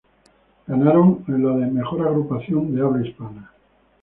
Ganaron en la de "Mejor agrupación de habla hispana".